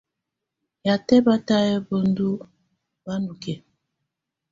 Yatɛ batayɛ bɛndɔ bá ndɔ́ kɛ̀á.